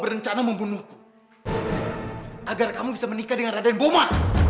berencana membunuhku agar kamu bisa menikah dengan raden boma